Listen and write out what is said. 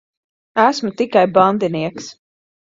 Esmu tikai bandinieks.